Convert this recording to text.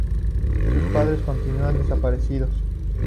Sus padres continúan desaparecidos.